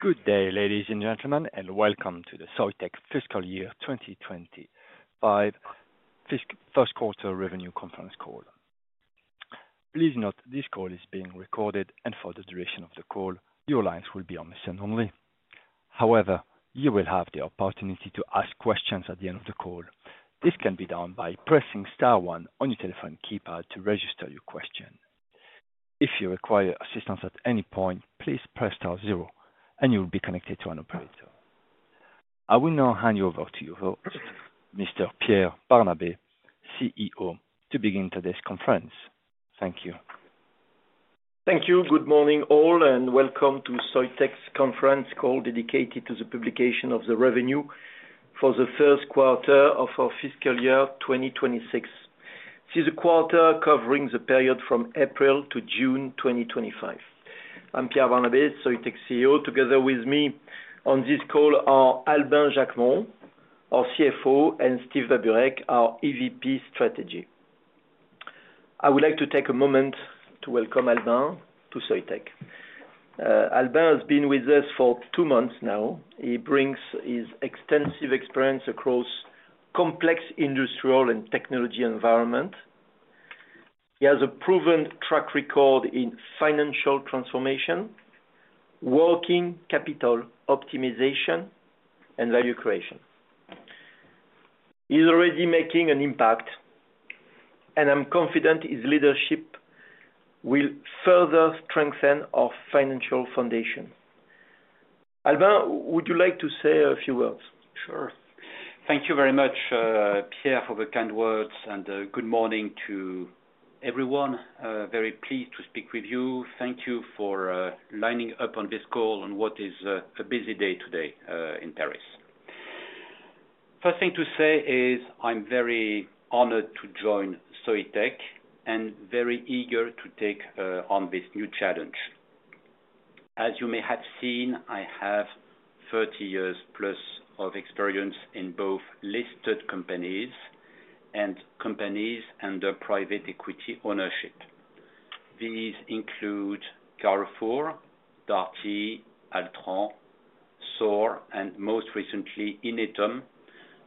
Good day, ladies and gentlemen, and welcome to the Soitec Fiscal Year 2025 Fiscal First Quarter Revenue Conference call. Please note this call is being recorded, and for the duration of the call, your lines will be on listen only. However, you will have the opportunity to ask questions at the end of the call. This can be done by pressing star one on your telephone keypad to register your question. If you require assistance at any point, please press star zero, and you will be connected to an operator. I will now hand you over to your host, Mr. Pierre Barnabé, CEO, to begin today's conference. Thank you. Thank you. Good morning all, and welcome to Soitec's conference call dedicated to the publication of the revenue for the first quarter of our fiscal year 2026. This is a quarter covering the period from April to June 2025. I'm Pierre Barnabé, Soitec CEO. Together with me on this call are Albin Jacquemont, our CFO, and Steve Babureck, our EVP Strategy. I would like to take a moment to welcome Albin to Soitec. Albin has been with us for two months now. He brings his extensive experience across complex industrial and technology environments. He has a proven track record in financial transformation, working capital optimization, and value creation. He's already making an impact, and I'm confident his leadership will further strengthen our financial foundation. Albin, would you like to say a few words? Sure. Thank you very much, Pierre, for the kind words, and good morning to everyone. Very pleased to speak with you. Thank you for lining up on this call on what is a busy day today in Paris. First thing to say is I'm very honored to join Soitec and very eager to take on this new challenge. As you may have seen, I have 30 years plus of experience in both listed companies and companies under private equity ownership. These include Carrefour, Darty, Altran, Sor, and most recently, Inetum,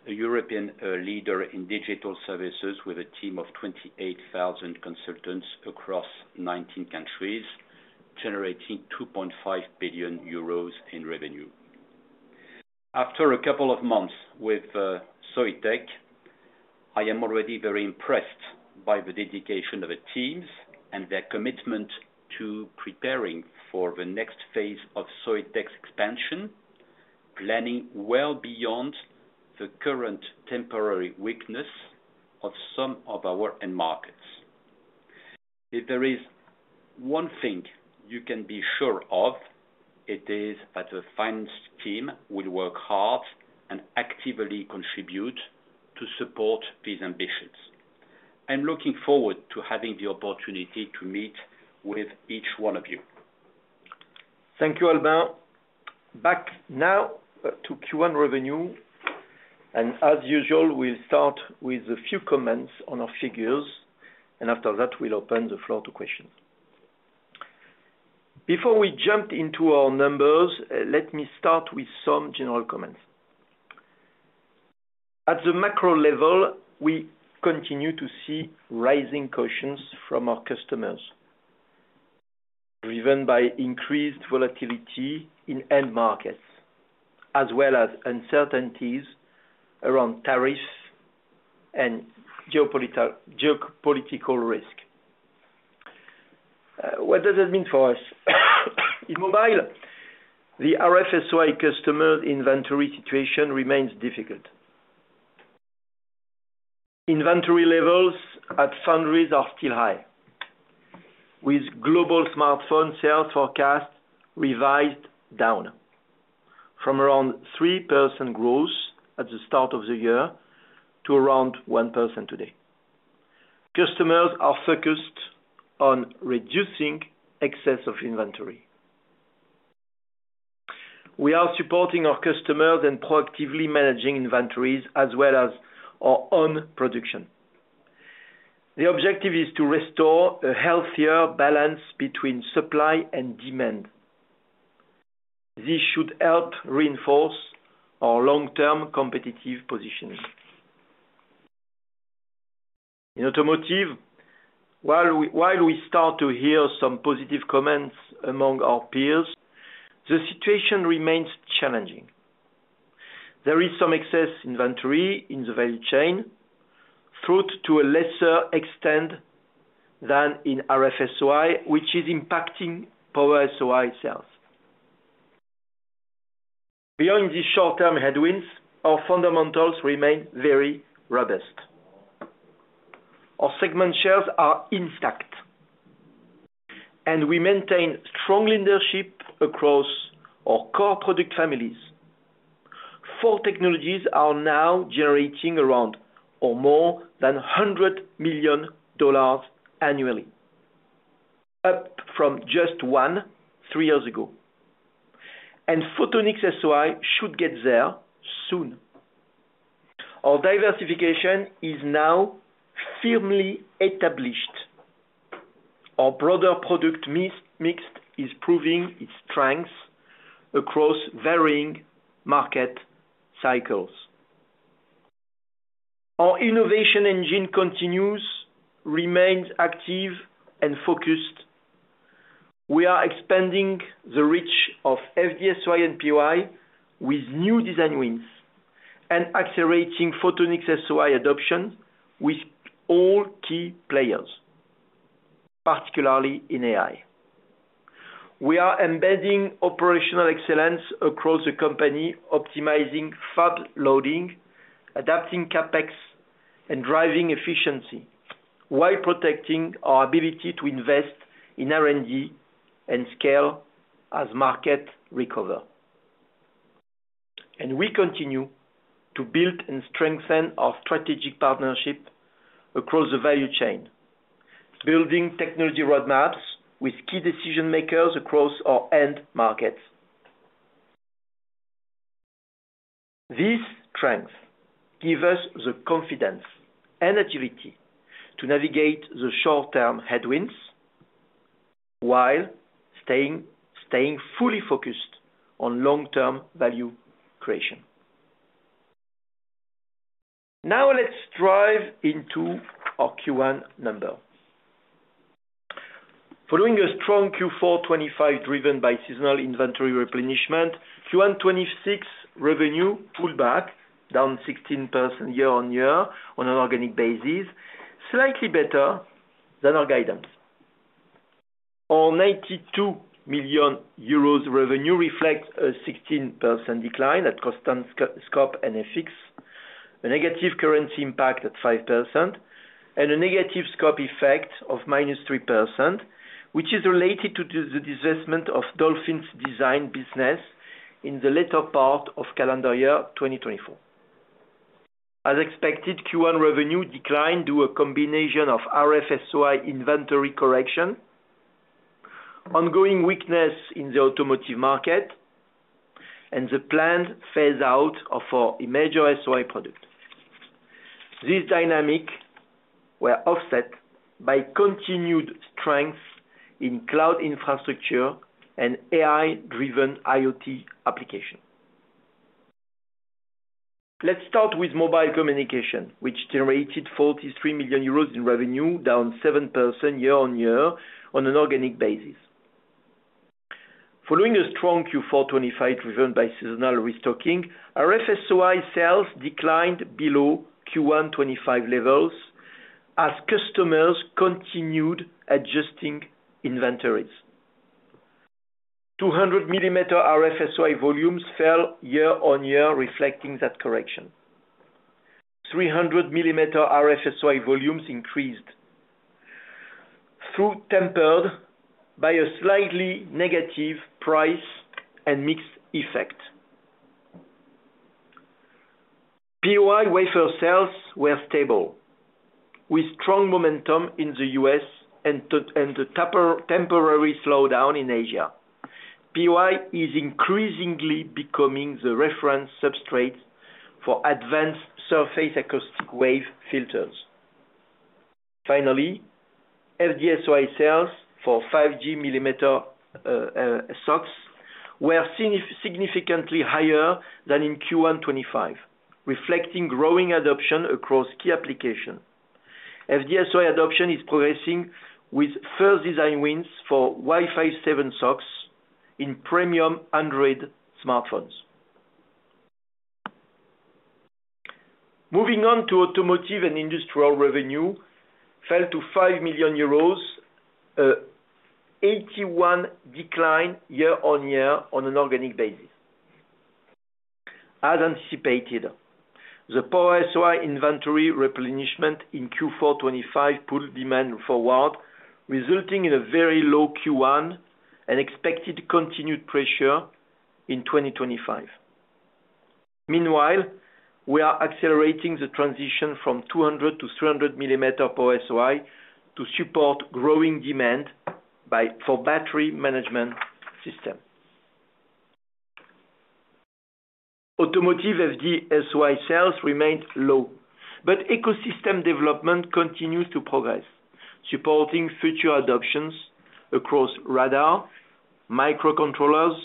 a European leader in digital services with a team of 28,000 consultants across 19 countries, generating 2.5 billion euros in revenue. After a couple of months with Soitec, I am already very impressed by the dedication of the teams and their commitment to preparing for the next phase of Soitec's expansion, planning well beyond the current temporary weakness of some of our end markets. If there is one thing you can be sure of, it is that the finance team will work hard and actively contribute to support these ambitions. I'm looking forward to having the opportunity to meet with each one of you. Thank you, Albin. Back now to Q1 revenue. As usual, we'll start with a few comments on our figures, and after that, we'll open the floor to questions. Before we jump into our numbers, let me start with some general comments. At the macro level, we continue to see rising cautions from our customers, driven by increased volatility in end markets, as well as uncertainties around tariffs and geopolitical risk. What does that mean for us? In mobile, the RF-SOI customer inventory situation remains difficult. Inventory levels at foundries are still high, with global smartphone sales forecasts revised down from around 3% growth at the start of the year to around 1% today. Customers are focused on reducing excess of inventory. We are supporting our customers and proactively managing inventories, as well as our own production. The objective is to restore a healthier balance between supply and demand. This should help reinforce our long-term competitive positioning. In automotive, while we start to hear some positive comments among our peers, the situation remains challenging. There is some excess inventory in the value chain, though to a lesser extent than in RF-SOI, which is impacting Power-SOI sales. Beyond these short-term headwinds, our fundamentals remain very robust. Our segment shares are intact, and we maintain strong leadership across our core product families. Four technologies are now generating around or more than $100 million annually, up from just one three years ago. Photonics SOI should get there soon. Our diversification is now firmly established. Our broader product mix is proving its strengths across varying market cycles. Our innovation engine continues, remains active, and focused. We are expanding the reach of FD-SOI and POI with new design wins and accelerating Photonics SOI adoption with all key players, particularly in AI. We are embedding operational excellence across the company, optimizing fab loading, adapting CapEx, and driving efficiency, while protecting our ability to invest in R&D and scale as markets recover. We continue to build and strengthen our strategic partnership across the value chain, building technology roadmaps with key decision makers across our end markets. These strengths give us the confidence and agility to navigate the short-term headwinds while staying fully focused on long-term value creation. Now let's dive into our Q1 numbers. Following a strong Q4 2025 driven by seasonal inventory replenishment, Q1 2026 revenue pulled back down 16% year on year on an organic basis, slightly better than our guidance. Our 92 million euros revenue reflects a 16% decline at cost and scope and FX, a negative currency impact at 5%, and a negative scope effect of minus 3%, which is related to the divestment of Dolphin's design business in the later part of calendar year 2024. As expected, Q1 revenue declined due to a combination of RF-SOI inventory correction, ongoing weakness in the automotive market, and the planned phase out of our major SOI product. These dynamics were offset by continued strength in cloud infrastructure and AI-driven IoT applications. Let's start with mobile communication, which generated 43 million euros in revenue, down 7% year on year on an organic basis. Following a strong Q4 2025 driven by seasonal restocking, RF-SOI sales declined below Q1 2025 levels as customers continued adjusting inventories. 200mm RF-SOI volumes fell year on year, reflecting that correction. 300mm RF-SOI volumes increased though tempered by a slightly negative price/mix effect. POI wafer sales were stable, with strong momentum in the United States and a temporary slowdown in Asia. POI is increasingly becoming the reference substrate for advanced surface acoustic wave filters. Finally, FD-SOI sales for 5G millimeter wave were significantly higher than in Q1 2025, reflecting growing adoption across key applications. FD-SOI adoption is progressing with first design wins for Wi-Fi 7 in premium Android smartphones. Moving on to automotive and industrial, revenue fell to 5 million euros, 81% decline year on year on an organic basis. As anticipated, the Power-SOI inventory replenishment in Q4 2025 pulled demand forward, resulting in a very low Q1 and expected continued pressure in 2025. Meanwhile, we are accelerating the transition from 200mm to 300mm Power-SOI to support growing demand for battery management systems. Automotive FD-SOI sales remained low, but ecosystem development continues to progress, supporting future adoptions across radar, microcontrollers,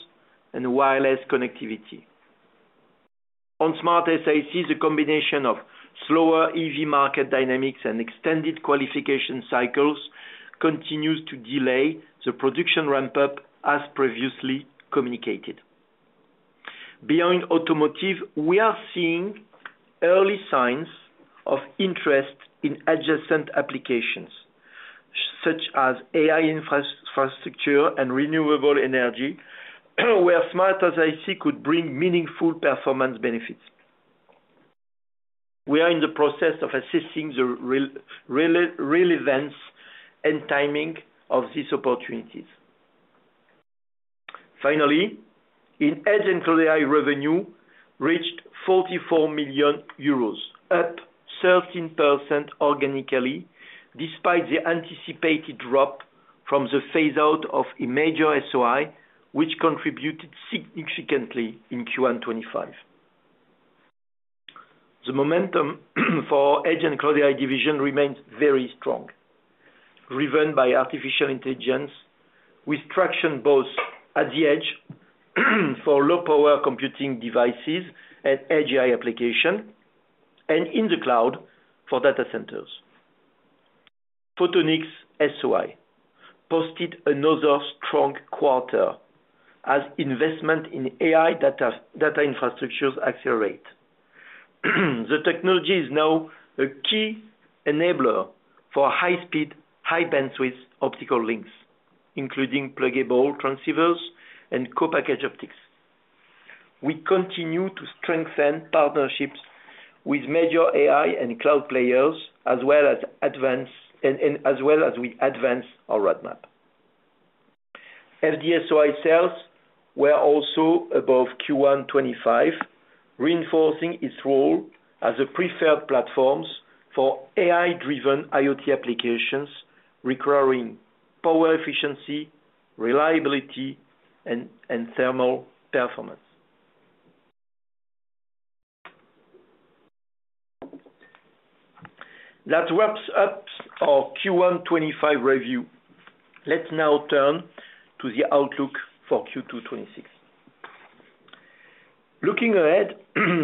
and wireless connectivity. On smart SiCs, a combination of slower EV market dynamics and extended qualification cycles continues to delay the production ramp-up as previously communicated. Beyond automotive, we are seeing early signs of interest in adjacent applications, such as AI infrastructure and renewable energy, where smart SiC could bring meaningful performance benefits. We are in the process of assessing the real events and timing of these opportunities. Finally, in Agent Léa Alzingre, revenue reached 44 million euros, up 13% organically, despite the anticipated drop from the phase out of a major SOI, which contributed significantly in Q1 2025. The momentum for Agent Léa Alzingre's division remains very strong, driven by artificial intelligence, with traction both at the edge for low-power computing devices and AGI applications, and in the cloud for data centers. Photonics SOI posted another strong quarter as investment in AI data infrastructures accelerates. The technology is now a key enabler for high-speed, high-bandwidth optical links, including pluggable transceivers and co-packaged optics. We continue to strengthen partnerships with major AI and cloud players, as well as we advance our roadmap. FD-SOI sales were also above Q1 2025, reinforcing its role as a preferred platform for AI-driven IoT applications requiring power efficiency, reliability, and thermal performance. That wraps up our Q1 2025 review. Let's now turn to the outlook for Q2 2026. Looking ahead,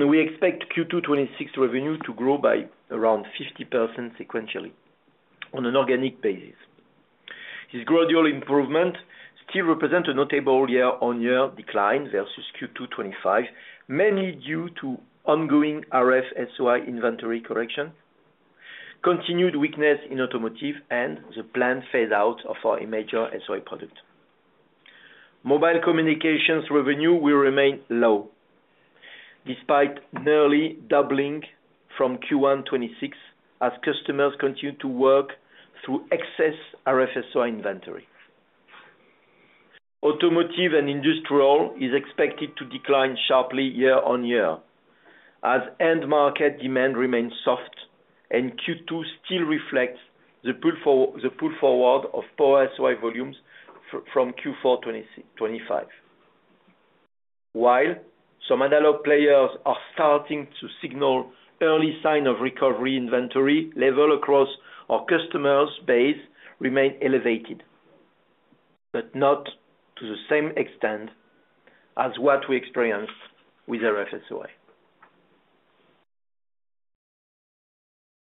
we expect Q2 2026 revenue to grow by around 50% sequentially on an organic basis. This gradual improvement still represents a notable year-on-year decline versus Q2 2025, mainly due to ongoing RF-SOI inventory correction, continued weakness in automotive, and the planned phase out of our major SOI product. Mobile communications revenue will remain low, despite nearly doubling from Q1 2026, as customers continue to work through excess RF-SOI inventory. Automotive and industrial is expected to decline sharply year on year, as end market demand remains soft, and Q2 still reflects the pull forward of Power-SOI volumes from Q4 2025. While some analog players are starting to signal early signs of recovery, inventory levels across our customers' base remain elevated, but not to the same extent as what we experienced with RF-SOI.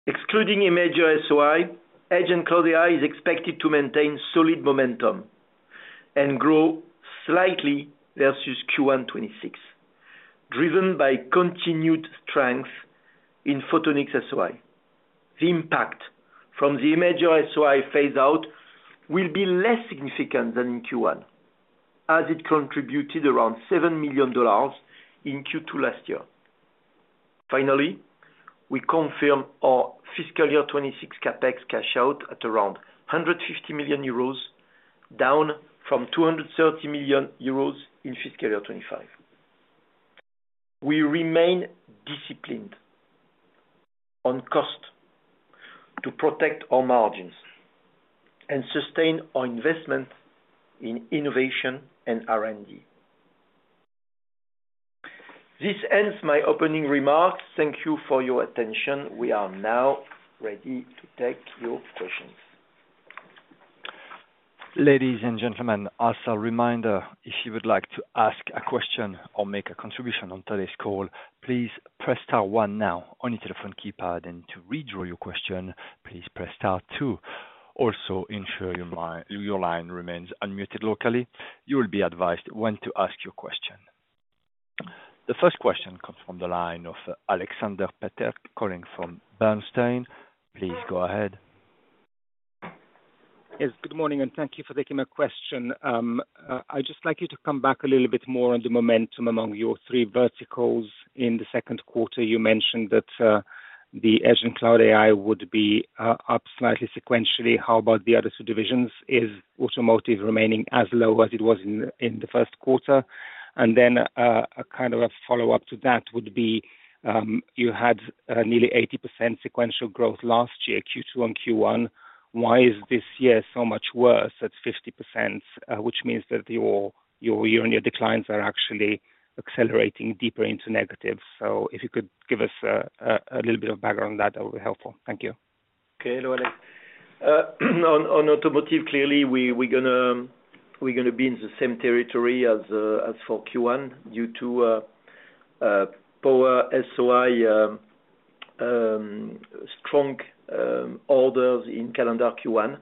Excluding a major SOI, Agent Léa Alzingre is expected to maintain solid momentum and grow slightly versus Q1 2026, driven by continued strength in Photonics SOI. The impact from the major SOI phase out will be less significant than in Q1, as it contributed around $7 million in Q2 last year. Finally, we confirmed our fiscal year 2026 CapEx cash out at around 150 million euros, down from 230 million euros in fiscal year 2025. We remain disciplined on cost to protect our margins and sustain our investment in innovation and R&D. This ends my opening remarks. Thank you for your attention. We are now ready to take your questions. Ladies and gentlemen, as a reminder, if you would like to ask a question or make a contribution on today's call, please press star one now on your telephone keypad. To withdraw your question, please press star two. Also, ensure your line remains unmuted locally. You will be advised when to ask your question. The first question comes from the line of Alexander Peterc, calling from Bernstein. Please go ahead. Yes, good morning, and thank you for taking my question. I'd just like you to come back a little bit more on the momentum among your three verticals. In the second quarter, you mentioned that the edge and cloud AI would be up slightly sequentially. How about the other two divisions? Is automotive remaining as low as it was in the first quarter? A kind of a follow-up to that would be, you had nearly 80% sequential growth last year, Q2 and Q1. Why is this year so much worse at 50%, which means that your year-on-year declines are actually accelerating deeper into negatives? If you could give us a little bit of background on that, that would be helpful. Thank you. Okay, hello Alex. On automotive, clearly we're going to be in the same territory as for Q1 due to Power-SOI strong orders in calendar Q1,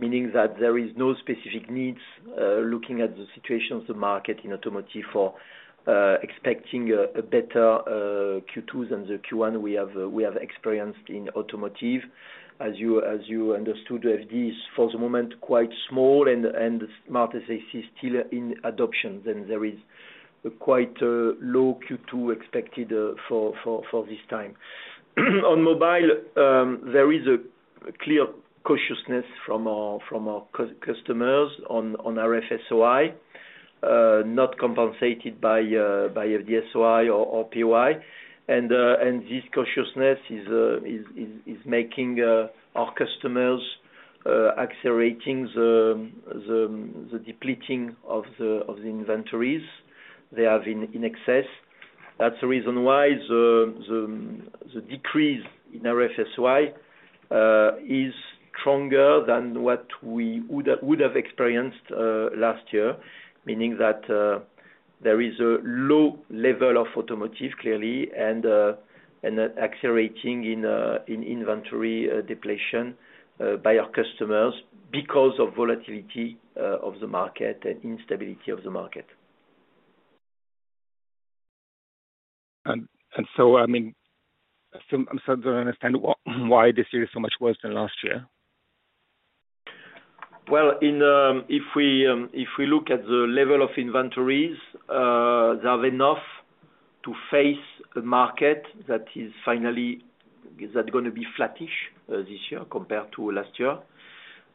meaning that there are no specific needs. Looking at the situation of the market in automotive for expecting a better Q2 than the Q1 we have experienced in automotive. As you understood, FD-SOI is for the moment quite small and SmartSiC is still in adoption, and there is a quite low Q2 expected for this time. On mobile, there is a clear cautiousness from our customers on RF-SOI, not compensated by FD-SOI or POI, and this cautiousness is making our customers accelerate the depleting of the inventories they have in excess. That's the reason why the decrease in RF-SOI is stronger than what we would have experienced last year, meaning that there is a low level of automotive clearly and accelerating in inventory depletion by our customers because of volatility of the market and instability of the market. I mean, I still don't understand why this year is so much worse than last year. If we look at the level of inventories, they have enough to face a market that is finally going to be flattish this year compared to last year,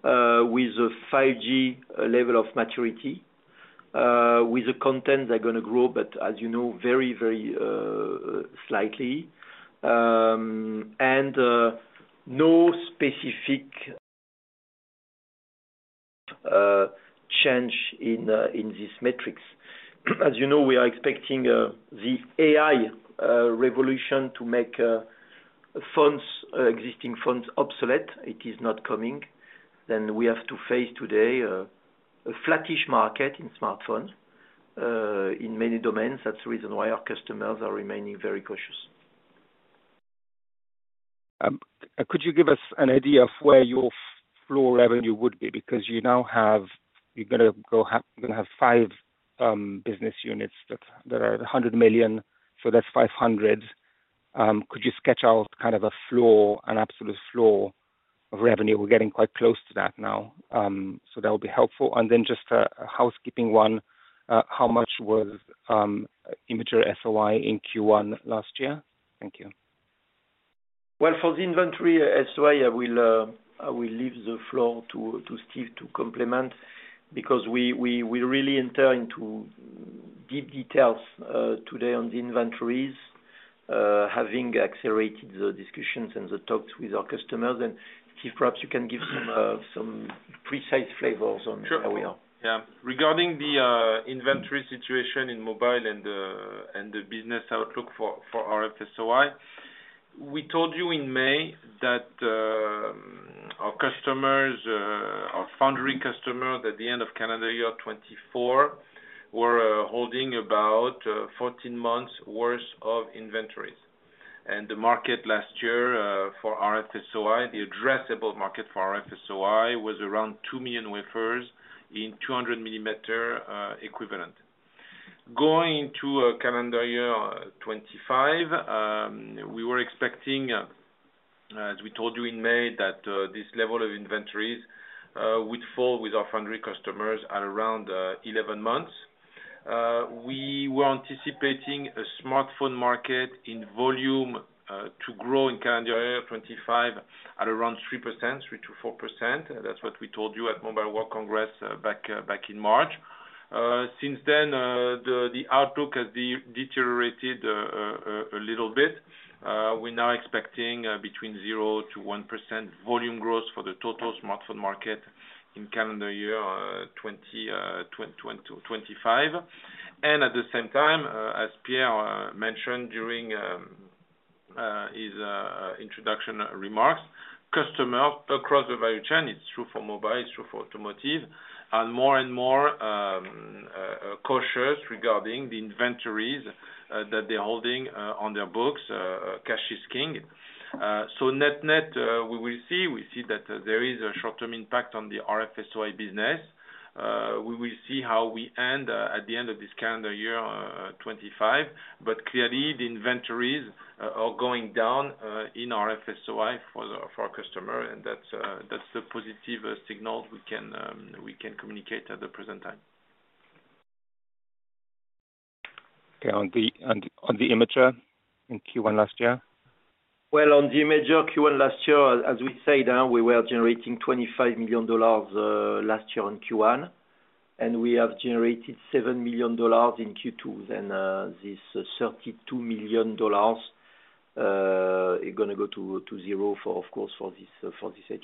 with a 5G level of maturity, with the content that's going to grow, but as you know, very, very slightly, and no specific change in this matrix. As you know, we are expecting the AI revolution to make existing phones obsolete. It is not coming. We have to face today a flattish market in smartphones in many domains. That's the reason why our customers are remaining very cautious. Could you give us an idea of where your raw revenue would be? Because you now have, you're going to have five business units that are $100 million, so that's $500 million. Could you sketch out kind of a floor, an absolute floor of revenue? We're getting quite close to that now, so that would be helpful. Then just a housekeeping one, how much was imager SOI in Q1 last year? Thank you. For the inventory SOI, I will leave the floor to Steve to complement because we really enter into deep details today on the inventories, having accelerated the discussions and the talks with our customers. Steve, perhaps you can give him some precise flavors on how we are. Sure, yeah. Regarding the inventory situation in mobile and the business outlook for RF-SOI, we told you in May that our foundry customers at the end of calendar year 2024 were holding about 14 months' worth of inventories. The market last year for RF-SOI, the addressable market for RF-SOI was around 2 million wafers in 200 millimeter equivalent. Going into calendar year 2025, we were expecting, as we told you in May, that this level of inventories would fall with our foundry customers at around 11 months. We were anticipating a smartphone market in volume to grow in calendar year 2025 at around 3%, 3%-4%. That's what we told you at Mobile World Congress back in March. Since then, the outlook has deteriorated a little bit. We're now expecting between 0%-1% volume growth for the total smartphone market in calendar year 2025, and at the same time, as Pierre mentioned during his introduction remarks, customers across the value chain, it's true for mobile, it's true for automotive, are more and more cautious regarding the inventories that they're holding on their books, cash is king. Net-net, we will see. We see that there is a short-term impact on the RF-SOI business. We will see how we end at the end of this calendar year 2025, but clearly the inventories are going down in RF-SOI for our customers, and that's a positive signal we can communicate at the present time. Okay, on the imager in Q1 last year? On the imager Q1 last year, as we say now, we were generating $25 million last year on Q1, and we have generated $7 million in Q2, and this $32 million is going to go to zero for, of course, for this H1.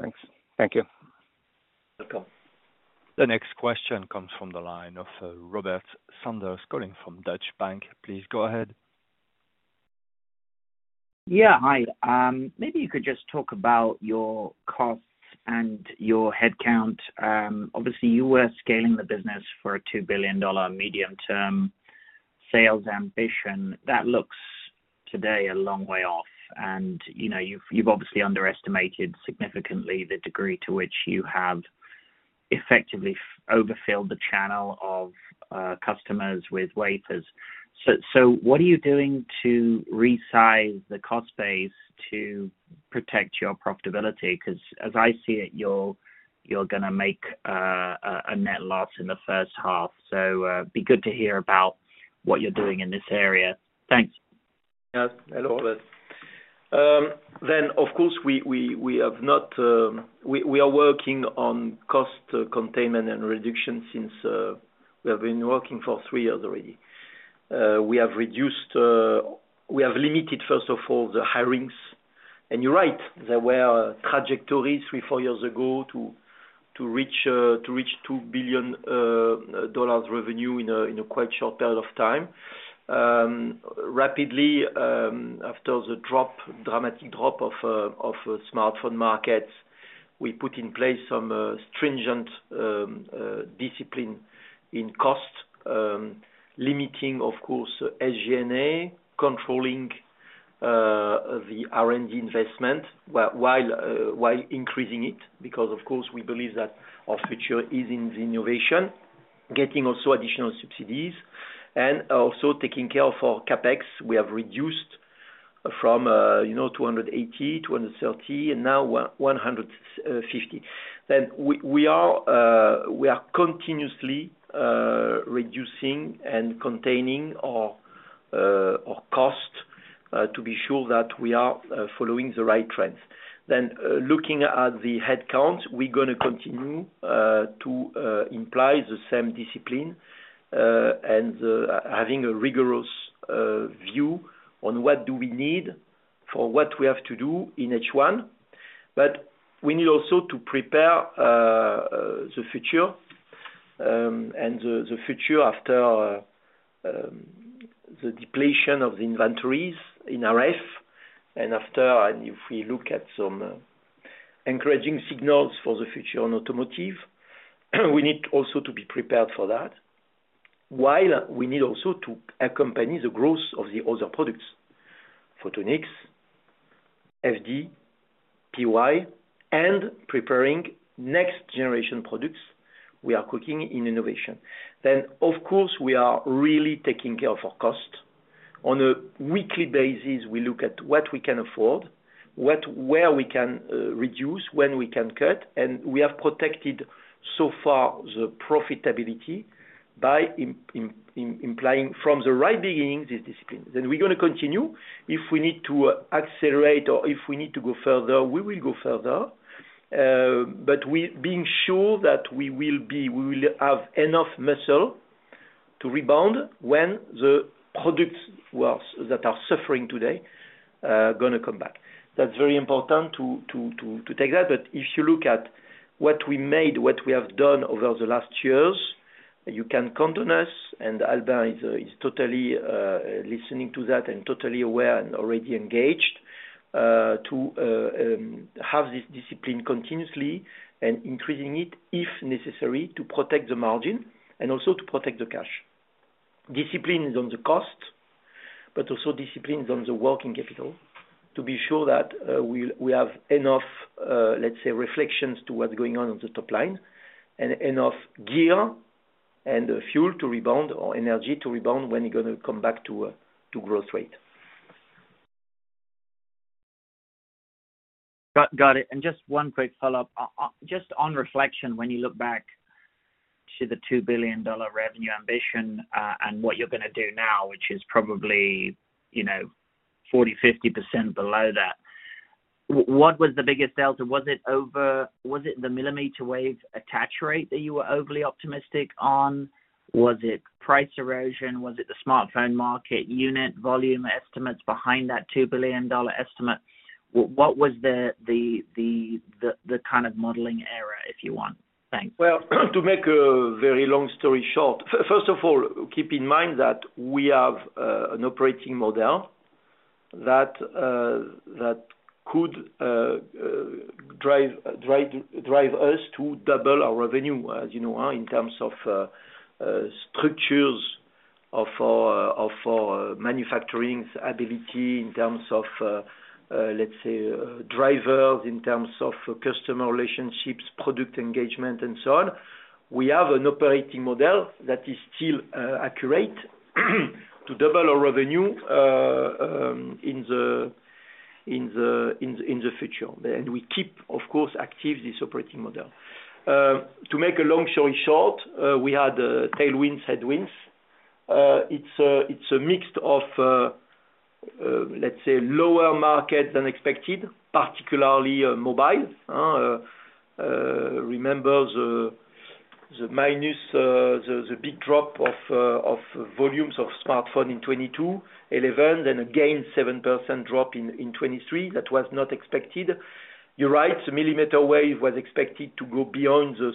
Thanks. Thank you. Welcome. The next question comes from the line of Robert Sanders, calling from Deutsche Bank. Please go ahead. Yeah, hi. Maybe you could just talk about your costs and your headcount. Obviously, you were scaling the business for a $2 billion medium-term sales ambition. That looks today a long way off, and you've, you know, you've obviously underestimated significantly the degree to which you have effectively overfilled the channel of customers with wafers. What are you doing to resize the cost base to protect your profitability? As I see it, you're going to make a net loss in the first half, so it'd be good to hear about what you're doing in this area. Thanks. Yes, hello Robert. Of course, we are working on cost containment and reduction since we have been working for three years already. We have limited, first of all, the hirings, and you're right, there were trajectories three, four years ago to reach $2 billion revenue in a quite short period of time. Rapidly, after the dramatic drop of smartphone markets, we put in place some stringent discipline in cost, limiting, of course, SG&A, controlling the R&D investment while increasing it because, of course, we believe that our future is in the innovation, getting also additional subsidies, and also taking care of our CapEx. We have reduced from 280 million, 230 million, and now 150 million. We are continuously reducing and containing our cost to be sure that we are following the right trends. Looking at the headcounts, we're going to continue to imply the same discipline and having a rigorous view on what do we need for what we have to do in H1. We need also to prepare the future and the future after the depletion of the inventories in RF. If we look at some encouraging signals for the future in automotive, we need also to be prepared for that, while we need also to accompany the growth of the other products, Photonics, FD, POI, and preparing next-generation products. We are cooking in innovation. Of course, we are really taking care of our cost. On a weekly basis, we look at what we can afford, where we can reduce, when we can cut, and we have protected so far the profitability by implying from the right beginning this discipline. We are going to continue. If we need to accelerate or if we need to go further, we will go further. Being sure that we will have enough muscle to rebound when the products that are suffering today are going to come back. That's very important to take that. If you look at what we made, what we have done over the last years, you can count on us, and Albin Jacquemont is totally listening to that and totally aware and already engaged to have this discipline continuously and increasing it if necessary to protect the margin and also to protect the cash. Discipline is on the cost, but also discipline is on the working capital to be sure that we have enough, let's say, reflections to what's going on on the top line and enough gear and fuel to rebound or energy to rebound when you're going to come back to growth rate. Got it. Just one quick follow-up. Just on reflection, when you look back to the $2 billion revenue ambition and what you're going to do now, which is probably 40%-50% below that, what was the biggest delta? Was it the millimeter wave attach rate that you were overly optimistic on? Was it price erosion? Was it the smartphone market unit volume estimates behind that $2 billion estimate? What was the kind of modeling error, if you want? Thanks. To make a very long story short, first of all, keep in mind that we have an operating model that could drive us to double our revenue, as you know, in terms of structures of our manufacturing's ability, in terms of, let's say, drivers, in terms of customer relationships, product engagement, and so on. We have an operating model that is still accurate to double our revenue in the future, and we keep, of course, active this operating model. To make a long story short, we had tailwinds, headwinds. It's a mix of, let's say, lower markets than expected, particularly mobile. Remember the big drop of volumes of smartphones in 2022, 2011, then again a 7% drop in 2023 that was not expected. You're right, the millimeter wave was expected to go beyond the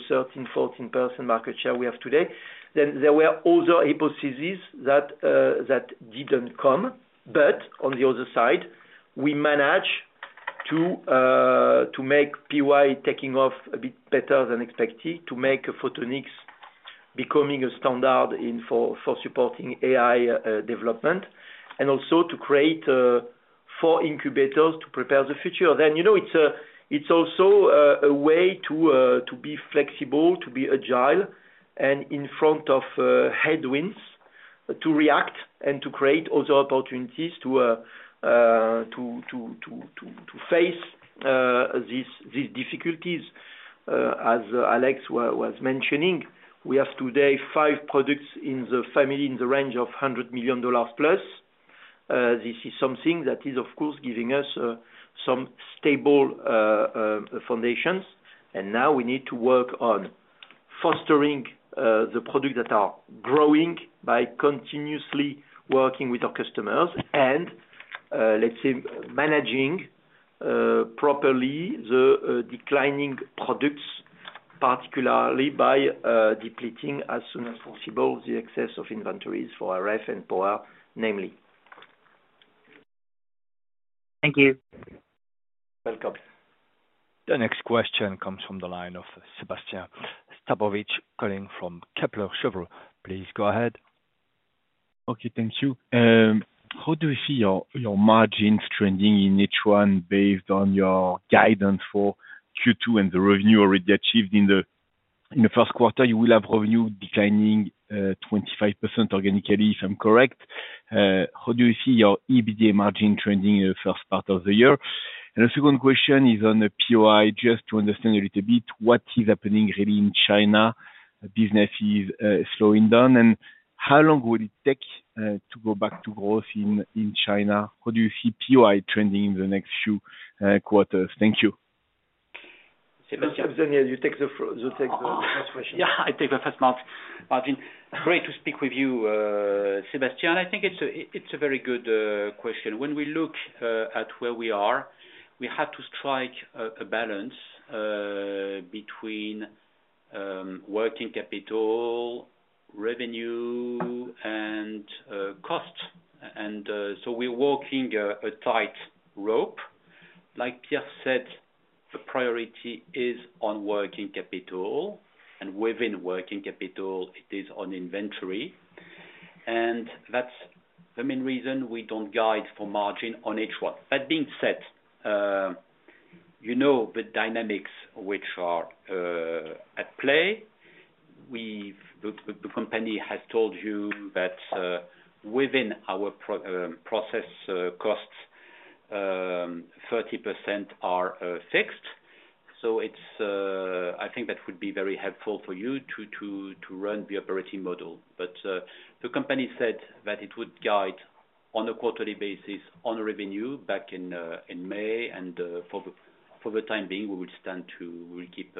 13%-14% market share we have today. There were other hypotheses that didn't come. On the other side, we managed to make POI taking off a bit better than expected, to make Photonics becoming a standard for supporting AI development, and also to create four incubators to prepare the future. You know it's also a way to be flexible, to be agile, and in front of headwinds, to react and to create other opportunities to face these difficulties. As Alex was mentioning, we have today five products in the family in the range of $100 million plus. This is something that is, of course, giving us some stable foundations. Now we need to work on fostering the products that are growing by continuously working with our customers and, let's say, managing properly the declining products, particularly by depleting as soon as possible the excess of inventories for RF-SOI and POI, namely. Thank you. Welcome. The next question comes from the line of Sébastien Sztabowicz, calling from Kepler Cheuvreux. Please go ahead. Okay, thank you. How do you see your margins trending in H1 based on your guidance for Q2 and the revenue already achieved in the first quarter? You will have revenue declining 25% organically, if I'm correct. How do you see your EBITDA margin trending in the first part of the year? The second question is on the POI, just to understand a little bit what is happening really in China. Business is slowing down. How long would it take to go back to growth in China? How do you see POI trending in the next few quarters? Thank you. Albin, you take the first question. Yeah, I take the first margin. Great to speak with you, Sébastien. I think it's a very good question. When we look at where we are, we have to strike a balance between working capital, revenue, and cost. We're walking a tight rope. Like Pierre said, the priority is on working capital, and within working capital, it is on inventory. That's the main reason we don't guide for margin on H1. That being said, you know the dynamics which are at play. The company has told you that within our process costs, 30% are fixed. I think that would be very helpful for you to run the operating model. The company said that it would guide on a quarterly basis on revenue back in May. For the time being, we will stand to keep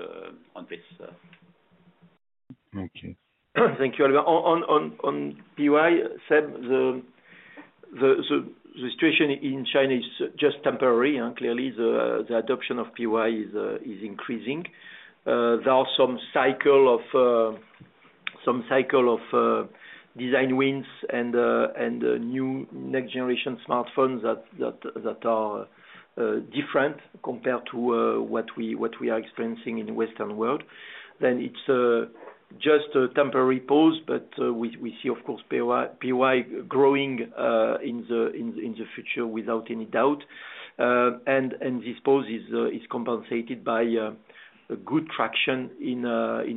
on this. Okay. Thank you, Albin. On POI, Sam, the situation in China is just temporary. Clearly, the adoption of POI is increasing. There are some cycles of design wins and new next-generation smartphones that are different compared to what we are experiencing in the Western world. It is just a temporary pause, but we see, of course, POI growing in the future without any doubt. This pause is compensated by a good traction in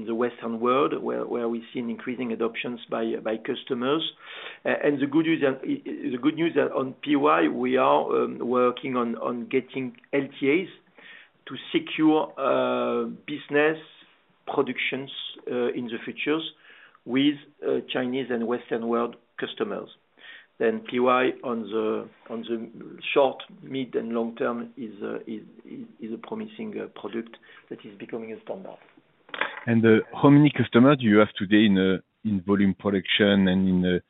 the Western world, where we see increasing adoptions by customers. The good news is on POI, we are working on getting LTAs to secure business productions in the future with Chinese and Western world customers. POI on the short, mid, and long term is a promising product that is becoming a standard. How many customers do you have today in volume production and in,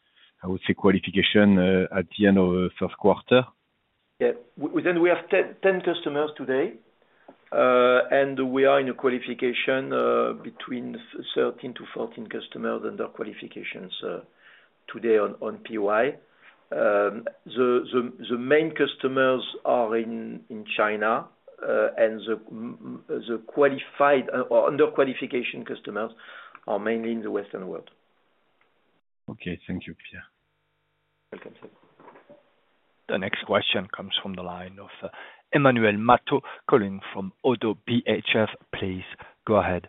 I would say, qualification at the end of the first quarter? We have 10 customers today, and we are in a qualification between 13-14 customers under qualifications today on POI. The main customers are in China, and the qualified or under qualification customers are mainly in the Western world. Okay, thank you, Pierre. Welcome, Séb. The next question comes from the line of Emmanuel Matot, calling from Oddo BHF. Please go ahead.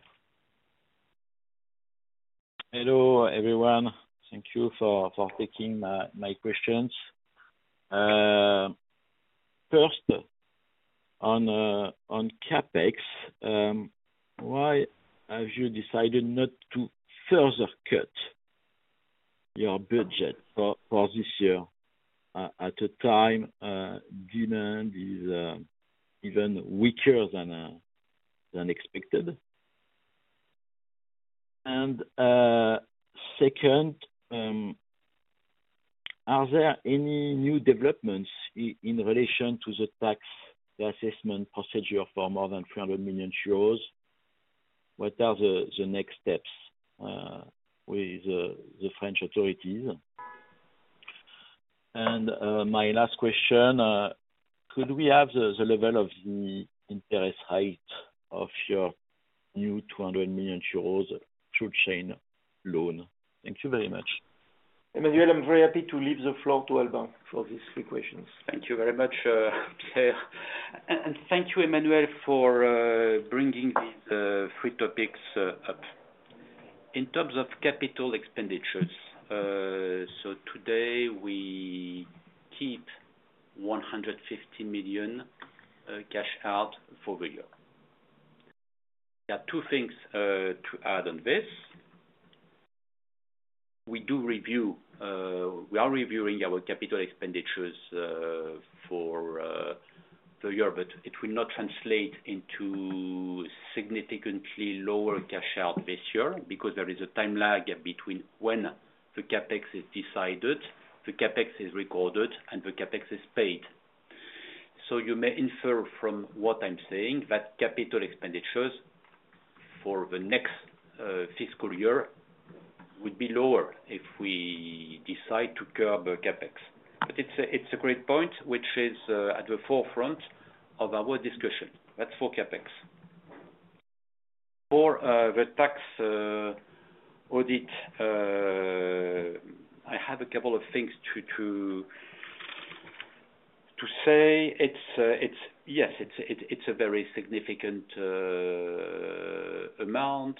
Hello, everyone. Thank you for taking my questions. First, on CapEx, why have you decided not to further cut your budget for this year at a time demand is even weaker than expected? Second, are there any new developments in relation to the tax assessment procedure for more than 300 million euros? What are the next steps with the French authorities? My last question, could we have the level of the interest rate of your new 200 million euros Tranche loan? Thank you very much. Emmanuel, I'm very happy to leave the floor to Albin for these three questions. Thank you very much, Pierre. Thank you, Emmanuel, for bringing these three topics up. In terms of capital expenditures, today we keep 150 million cash out for the year. There are two things to add on this. We are reviewing our capital expenditures for the year, but it will not translate into significantly lower cash out this year because there is a time lag between when the CapEx is decided, the CapEx is recorded, and the CapEx is paid. You may infer from what I'm saying that capital expenditures for the next fiscal year would be lower if we decide to curb the CapEx. It's a great point, which is at the forefront of our discussion. That's for CapEx. For the tax audit, I have a couple of things to say. Yes, it's a very significant amount.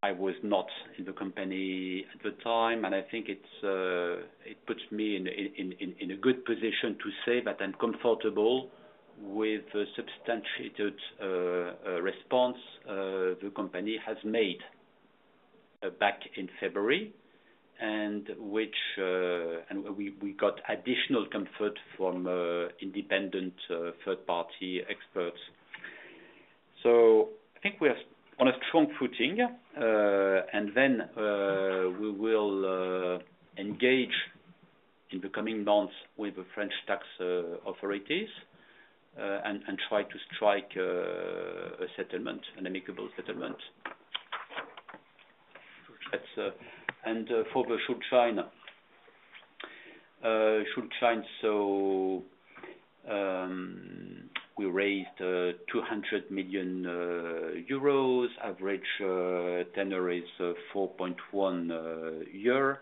I was not in the company at the time, and I think it puts me in a good position to say that I'm comfortable with the substantiated response the company has made back in February, and we got additional comfort from independent third-party experts. I think we are on a strong footing, and we will engage in the coming months with the French tax authorities and try to strike a settlement, an amicable settlement. For the short-term chains, we raised EUR 200 million. Average tenure is 4.1 years.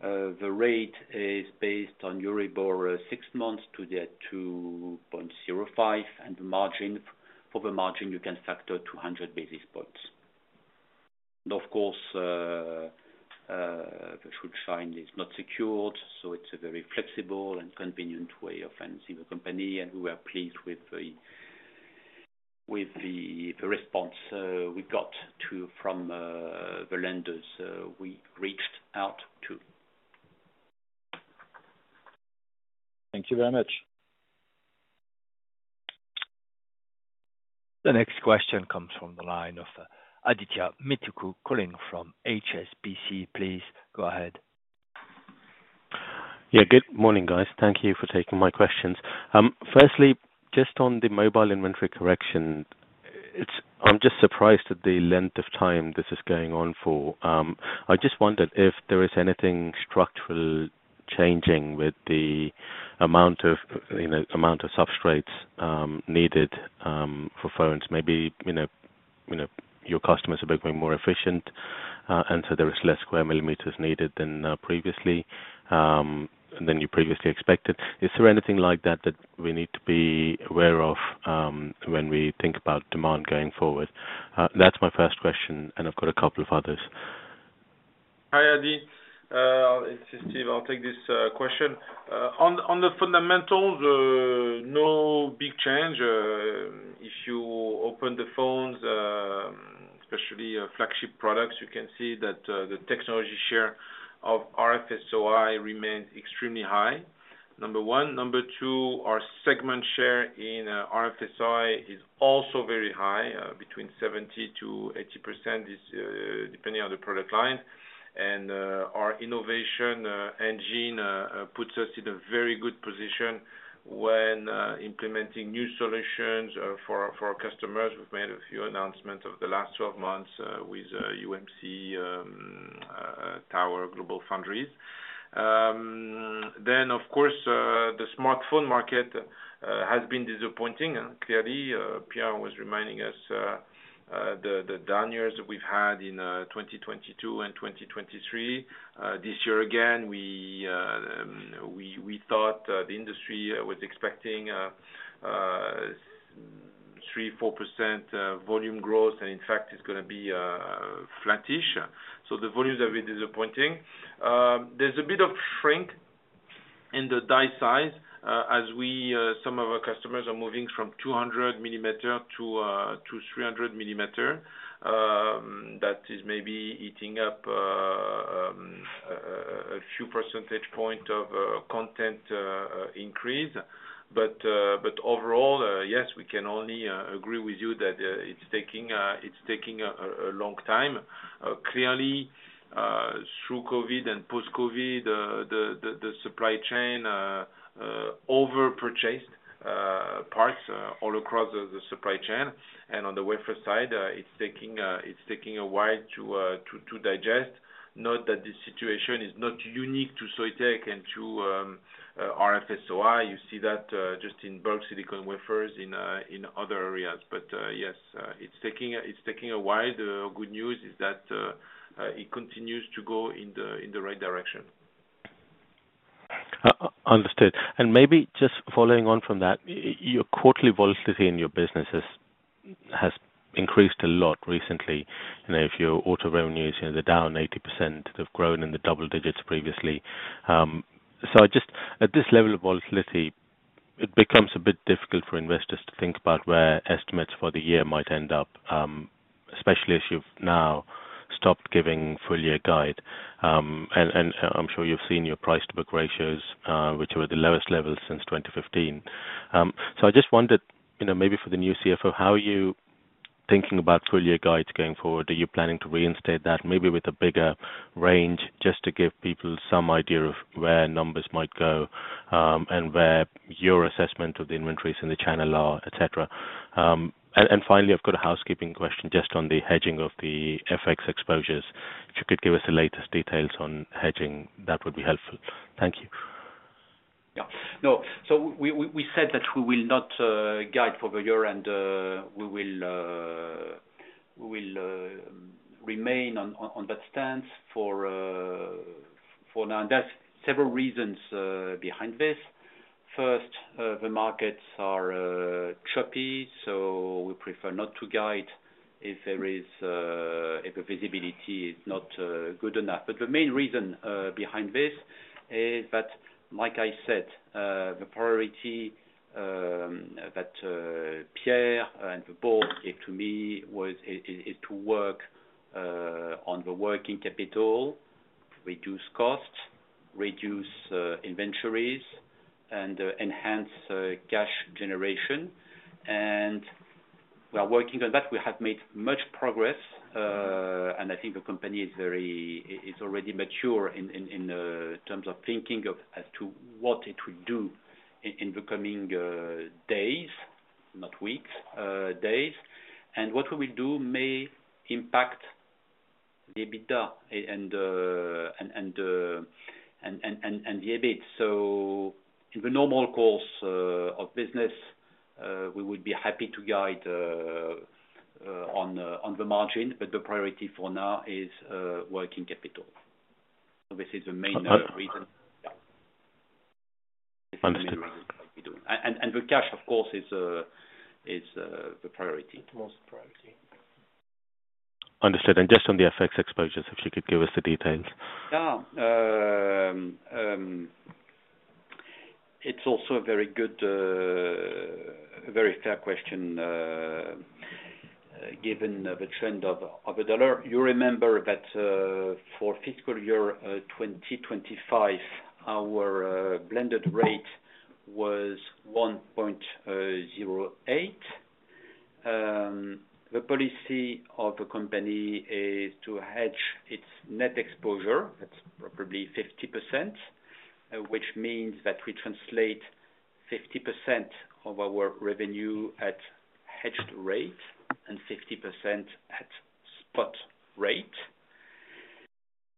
The rate is based on durable six months to get to 2.05%, and for the margin, you can factor 200 basis points. Of course, the short-term chain is not secured, so it's a very flexible and convenient way of financing the company, and we were pleased with the response we got from the lenders we reached out to. Thank you very much. The next question comes from the line of Adithya Metuku, calling from HSBC. Please go ahead. Yeah, good morning, guys. Thank you for taking my questions. Firstly, just on the mobile inventory correction, I'm just surprised at the length of time this is going on for. I just wondered if there is anything structural changing with the amount of substrate needed for phones. Maybe your customers are becoming more efficient, and so there are less square millimeters needed than previously, than you previously expected. Is there anything like that that we need to be aware of when we think about demand going forward? That's my first question, and I've got a couple of others. Hi, Adi. It's Steve. I'll take this question. On the fundamentals, no big change. If you open the phones, especially flagship products, you can see that the technology share of RF-SOI remains extremely high, number one. Number two, our segment share in RF-SOI is also very high, between 70%-80%, depending on the product line. Our innovation engine puts us in a very good position when implementing new solutions for our customers. We've made a few announcements over the last 12 months with UMC, Tower, GlobalFoundries. The smartphone market has been disappointing, clearly. Pierre was reminding us the down years that we've had in 2022 and 2023. This year again, we thought the industry was expecting 3%-4% volume growth, and in fact, it's going to be flattish. The volumes are a bit disappointing. There's a bit of shrink in the die size as some of our customers are moving from 200mm to 300mm. That is maybe eating up a few percentage points of content increase. Overall, yes, we can only agree with you that it's taking a long time. Clearly, through COVID and post-COVID, the supply chain overpurchased parts all across the supply chain. On the wafer side, it's taking a while to digest. Note that this situation is not unique to Soitec and to RF-SOI. You see that just in bulk silicon wafers in other areas. Yes, it's taking a while. The good news is that it continues to go in the right direction. Understood. Maybe just following on from that, your quarterly volatility in your business has increased a lot recently. If your auto revenues, you know, they're down 80%. They've grown in the double digits previously. At this level of volatility, it becomes a bit difficult for investors to think about where estimates for the year might end up, especially as you've now stopped giving full-year guide. I'm sure you've seen your price-to-book ratios, which were the lowest levels since 2015. I just wondered, maybe for the new CFO, how are you thinking about full-year guides going forward? Are you planning to reinstate that, maybe with a bigger range, just to give people some idea of where numbers might go and where your assessment of the inventories in the channel are, etc.? Finally, I've got a housekeeping question just on the hedging of the FX exposures. If you could give us the latest details on hedging, that would be helpful. Thank you. No. We said that we will not guide for the year, and we will remain on that stance for now. There are several reasons behind this. First, the markets are choppy, so we prefer not to guide if the visibility is not good enough. The main reason behind this is that, like I said, the priority that Pierre and the board gave to me is to work on the working capital, reduce costs, reduce inventories, and enhance cash generation. We are working on that. We have made much progress, and I think the company is already mature in terms of thinking as to what it will do in the coming days, not weeks, days. What we will do may impact the EBITDA and the EBIT. In the normal course of business, we would be happy to guide on the margin, but the priority for now is working capital. This is the main reason. Understood. Cash, of course, is the priority. The most priority. Understood. Just on the FX exposures, if you could give us the details. Yeah. It's also a very good, very fair question given the trend of the dollar. You remember that for fiscal year 2025, our blended rate was $1.08. The policy of the company is to hedge its net exposure at probably 50%, which means that we translate 50% of our revenue at hedged rate and 50% at spot rate.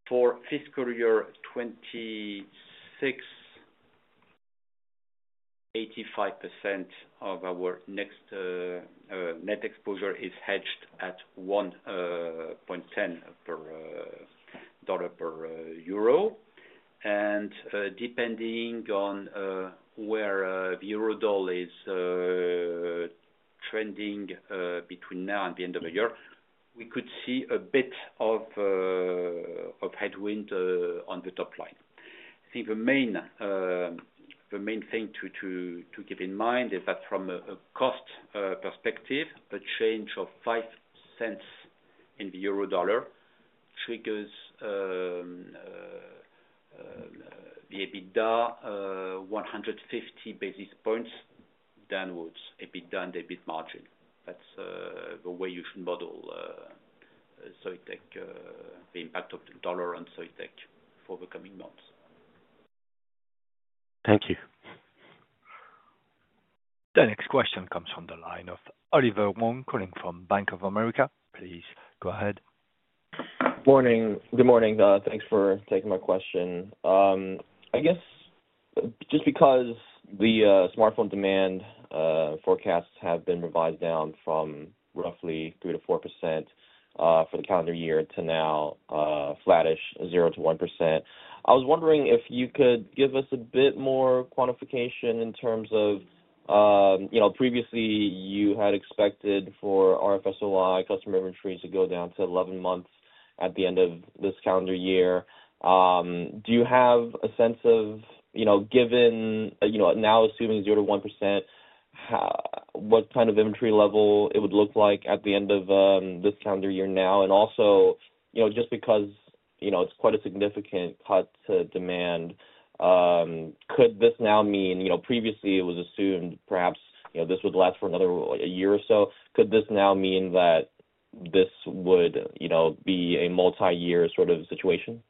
For fiscal year 2026, 85% of our next net exposure is hedged at $1.10 per dollar per euro. Depending on where the euro dollar is trending between now and the end of the year, we could see a bit of headwind on the top line. I think the main thing to keep in mind is that from a cost perspective, a change of $0.05 in the euro dollar triggers the EBITDA 150 basis points downwards, EBITDA and EBIT margin. That's the way you should model the impact of the dollar on Soitec for the coming months. Thank you. The next question comes from the line of Oliver Wong, calling from Bank of America. Please go ahead. Good morning. Thanks for taking my question. Just because the smartphone demand forecasts have been revised down from roughly 3%-4% for the calendar year to now flattish 0%-1%, I was wondering if you could give us a bit more quantification in terms of, you know, previously you had expected for RF-SOI customer inventories to go down to 11 months at the end of this calendar year. Do you have a sense of, given now assuming 0%-1%, what kind of inventory level it would look like at the end of this calendar year now? Also, just because it's quite a significant cut to demand, could this now mean, previously it was assumed perhaps this would last for another year or so, could this now mean that this would be a multi-year sort of situation?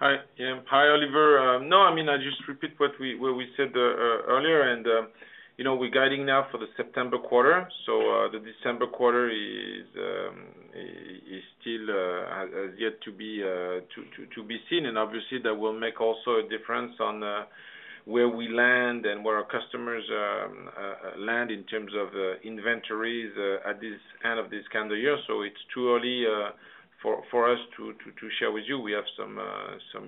Hi, yeah. Hi, Oliver. No, I just repeat what we said earlier. You know, we're guiding now for the September quarter. The December quarter still has yet to be seen. Obviously, that will also make a difference on where we land and where our customers land in terms of inventories at the end of this calendar year. It's too early for us to share with you. We have some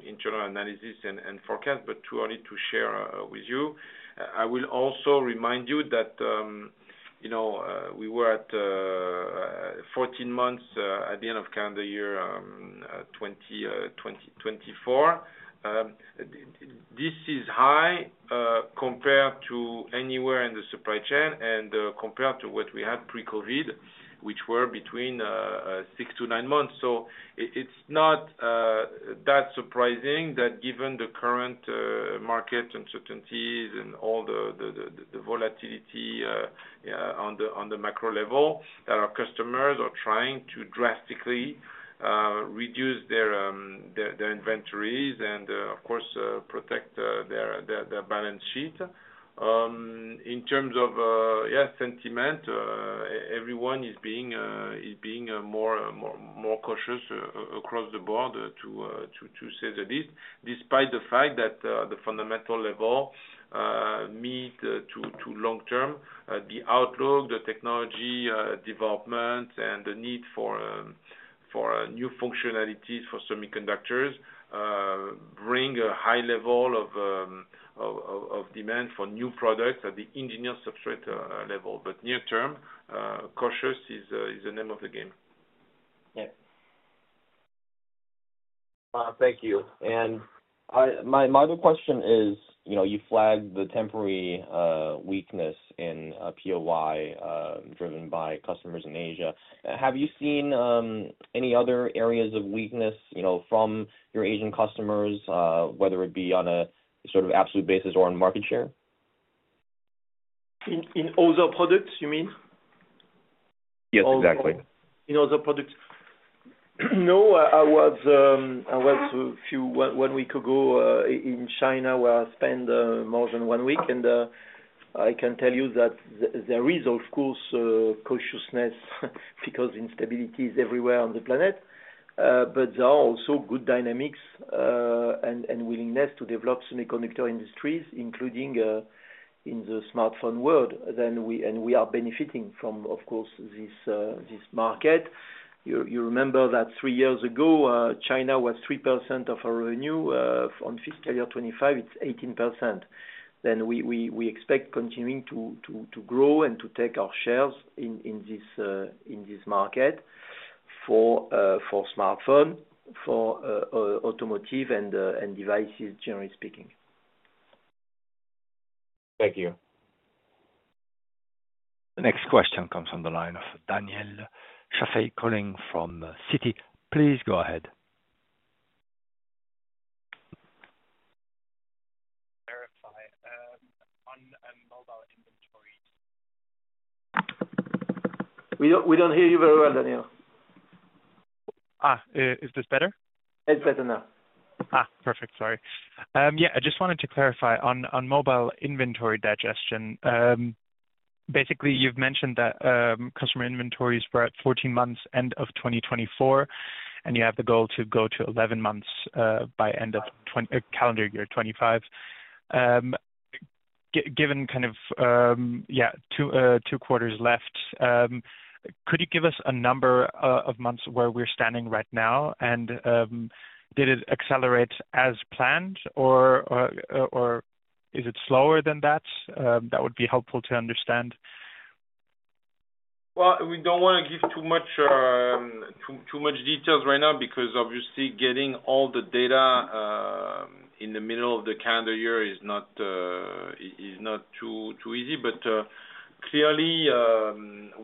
internal analysis and forecasts, but too early to share with you. I will also remind you that we were at 14 months at the end of calendar year 2024. This is high compared to anywhere in the supply chain and compared to what we had pre-COVID, which were between 6-9 months. It's not that surprising that given the current market uncertainties and all the volatility on the macro level, our customers are trying to drastically reduce their inventories and, of course, protect their balance sheet. In terms of sentiment, everyone is being more cautious across the board, to say the least, despite the fact that the fundamental level mid to long term. The outlook, the technology development, and the need for new functionalities for semiconductors bring a high level of demand for new products at the engineered substrate level. Near term, cautious is the name of the game. Thank you. My other question is, you flagged the temporary weakness in POI driven by customers in Asia. Have you seen any other areas of weakness from your Asian customers, whether it be on a sort of absolute basis or on market share? In other products, you mean? Yes, exactly. In other products? No, I was a few one week ago in China, where I spent more than one week. I can tell you that there is, of course, cautiousness because instability is everywhere on the planet. There are also good dynamics and willingness to develop semiconductor industries, including in the smartphone world. We are benefiting from, of course, this market. You remember that three years ago, China was 3% of our revenue. In fiscal year 2025, it's 18%. We expect continuing to grow and to take our shares in this market for smartphone, for automotive, and devices, generally speaking. Thank you. The next question comes from the line of Daniel Schafei, calling from Citi. Please go ahead. Verify. I'm mobile. We don't hear you very well, Daniel. Is this better? It's better now. Sorry. I just wanted to clarify on mobile inventory digestion. Basically, you've mentioned that customer inventories were at 14 months end of 2024, and you have the goal to go to 11 months by end of calendar year 2025. Given kind of two quarters left, could you give us a number of months where we're standing right now? Did it accelerate as planned, or is it slower than that? That would be helpful to understand. We don't want to give too much detail right now because, obviously, getting all the data in the middle of the calendar year is not too easy. Clearly,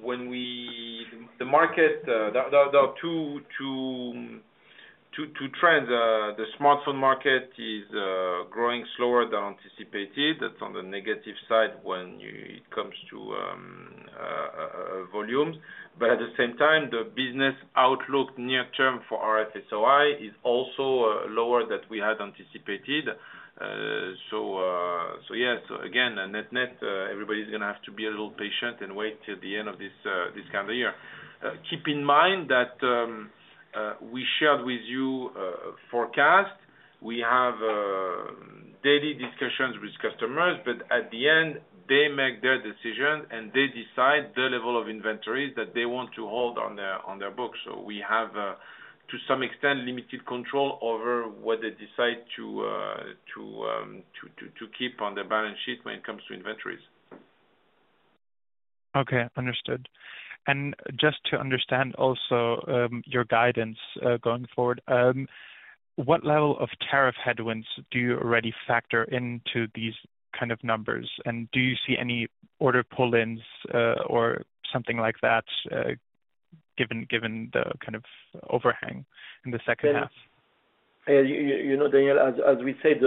when we look at the market, there are two trends. The smartphone market is growing slower than anticipated. That's on the negative side when it comes to volumes. At the same time, the business outlook near term for RF-SOI is also lower than we had anticipated. Net-net, everybody's going to have to be a little patient and wait till the end of this calendar year. Keep in mind that we shared with you a forecast. We have daily discussions with customers, but at the end, they make their decisions and they decide the level of inventories that they want to hold on their books. We have, to some extent, limited control over what they decide to keep on their balance sheet when it comes to inventories. Okay, understood. Just to understand also your guidance going forward, what level of tariff headwinds do you already factor into these kind of numbers? Do you see any order pull-ins or something like that, given the kind of overhang in the second half? Yeah. You know, Daniel, as we said,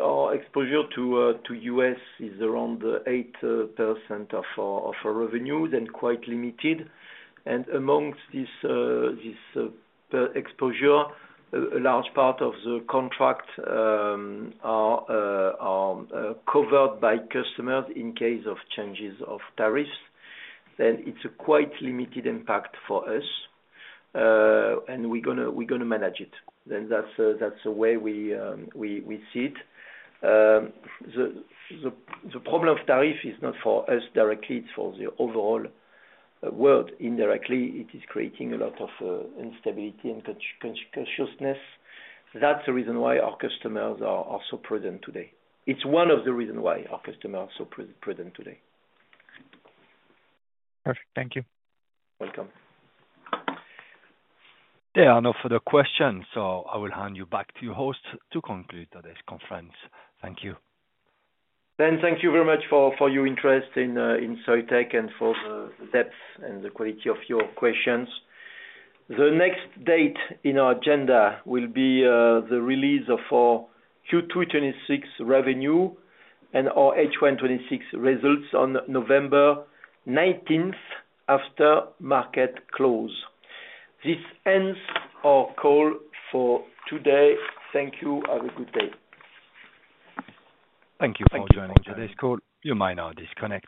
our exposure to the U.S. is around 8% of our revenue, quite limited. Amongst this exposure, a large part of the contracts are covered by customers in case of changes of tariffs. It's a quite limited impact for us, and we're going to manage it. That's the way we see it. The problem of tariff is not for us directly. It's for the overall world. Indirectly, it is creating a lot of instability and cautiousness. That's the reason why our customers are so prudent today. It's one of the reasons why our customers are so prudent today. Perfect. Thank you. Welcome. There are no further questions, so I will hand you back to your host to conclude today's conference. Thank you. Ben, thank you very much for your interest in Soitec and for the depth and the quality of your questions. The next date in our agenda will be the release of our Q2 2026 revenue and our H1 2026 results on November 19th after market close. This ends our call for today. Thank you. Have a good day. Thank you for joining today's call. You may now disconnect.